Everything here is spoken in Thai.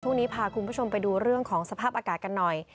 ช่วงนี้พาคุณผู้ชมไปดูเรื่องของสภาพอากาศกันหน่อย